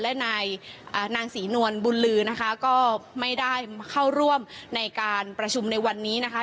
และนายนางศรีนวลบุญลือนะคะก็ไม่ได้เข้าร่วมในการประชุมในวันนี้นะคะ